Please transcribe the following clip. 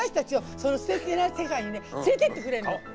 そのすてきな世界にね連れていってくれるの。